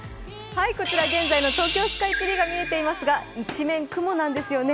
こちら現在の東京スカイツリーが見えていますが、一面雲なんですよね。